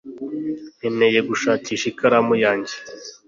nkeneye gushakisha ikaramu yanjye